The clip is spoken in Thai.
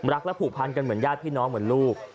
ผูกพันกันเหมือนญาติพี่น้องเหมือนลูก